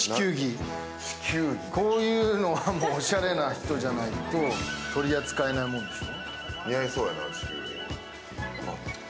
こういうのはおしゃれな人じゃないと取り扱えないもんでしょ。